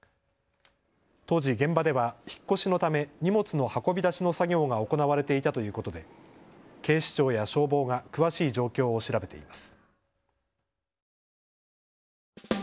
当時、現場では引っ越しのため荷物の運び出しの作業が行われていたということで警視庁や消防が詳しい状況を調べています。